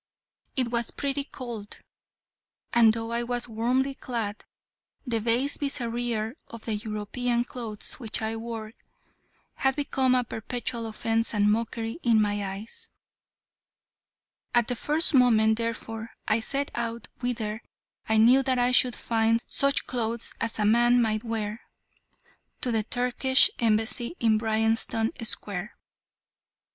It was pretty cold, and though I was warmly clad, the base bizarrerie of the European clothes which I wore had become a perpetual offence and mockery in my eyes: at the first moment, therefore, I set out whither I knew that I should find such clothes as a man might wear: to the Turkish Embassy in Bryanston Square.